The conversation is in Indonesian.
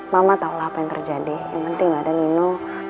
mama tahulah apa yang terjadi yang penting ada nino